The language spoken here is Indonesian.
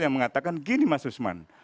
yang mengatakan gini mas usman